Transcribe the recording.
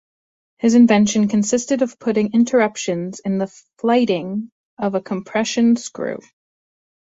His invention consisted of putting interruptions in the flighting of a compression screw.